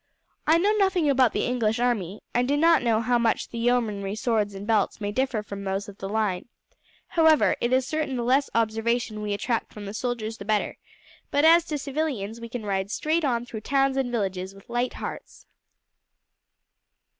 I know nothing about the English army, and do not know how much the yeomanry swords and belts may differ from those of the line. However, it is certain the less observation we attract from the soldiers the better; but as to civilians we can ride straight on through towns and villages with light hearts."